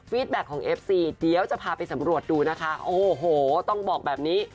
แบ็คของเอฟซีเดี๋ยวจะพาไปสำรวจดูนะคะโอ้โหต้องบอกแบบนี้